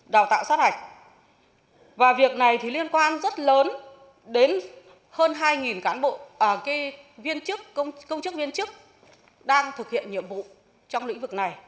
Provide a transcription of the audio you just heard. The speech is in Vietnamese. đang thực hiện nhiệm vụ trong lĩnh vực này